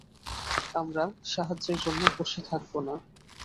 আমরা সাহায্যের জন্য বসে থাকব না।